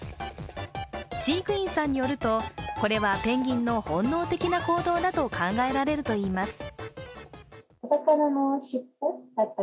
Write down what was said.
飼育員さんによるとこれはペンギンの本能的な行動だと考えられるといいます。